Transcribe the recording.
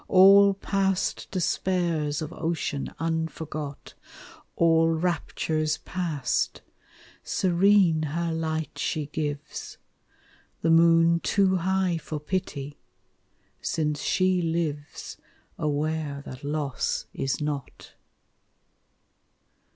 All past despairs of ocean unforgot, All raptures past, serene her light she gives, The moon too high for pity, since she lives Aware that loss is not.